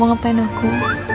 mau ngapain aku